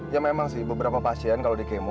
ya memang sih beberapa pasien kalau dikemo